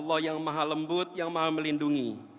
ya tuhan yang maha lembut yang maha melindungi